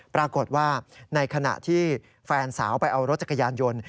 ปรากฏว่าในขณะที่แฟนสาวไปเอารถจักรยานยนต์